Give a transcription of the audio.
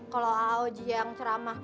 kalau aoj yang ceramah